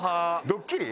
ドッキリ？